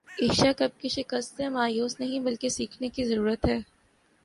Asia cup کی شکست سے مایوس نہیں بلکہ سیکھنے کی ضرورت ہے